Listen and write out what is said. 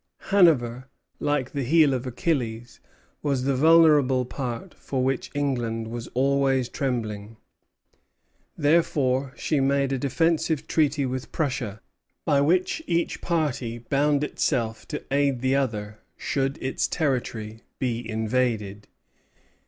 Hanover, like the heel of Achilles, was the vulnerable part for which England was always trembling. Therefore she made a defensive treaty with Prussia, by which each party bound itself to aid the other, should its territory be invaded.